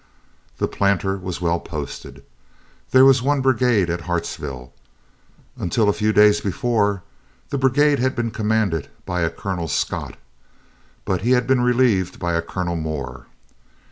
The planter was well posted. There was one brigade at Hartsville. Until a few days before, the brigade had been commanded by a Colonel Scott, but he had been relieved by a Colonel Moore.